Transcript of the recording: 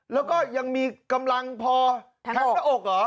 แล้วก็ยังมีกำลังพอทันหน้าอกเหรอ